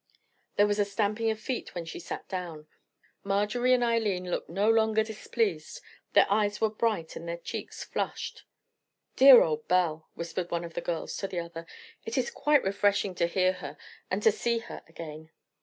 There was a stamping of feet when she sat down. Marjorie and Eileen looked no longer displeased; their eyes were bright and their cheeks flushed. "Dear old Belle," whispered one of the girls to the other; "it is quite refreshing to hear her and to see her again."